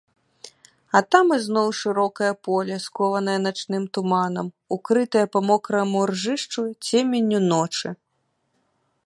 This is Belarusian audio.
А там ізноў шырокае поле, скованае начным туманам, укрытае па мокраму ржышчу цеменню ночы.